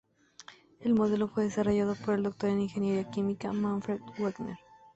El modelo fue desarrollado por el doctor en ingeniería química Manfred Wagner.